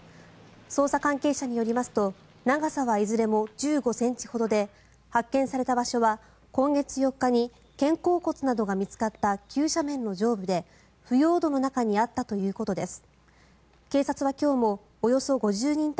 捜査関係者によりますと長さはいずれも１５ｃｍほどで発見された場所は今月４日に肩甲骨などが見つかった急斜面の上部で腐葉土の中にあったということです。